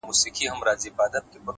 هر فکر د عمل پیل کېدای شي.!